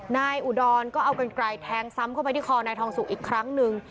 อุดรก็เอากันไกลแทงซ้ำเข้าไปที่คอนายทองสุกอีกครั้งหนึ่ง